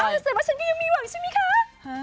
เสร็จแล้วฉันก็ยังมีหวังใช่ไหมคะ